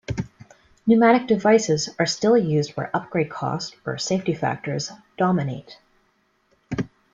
Pneumatic devices are still used where upgrade cost, or safety factors dominate.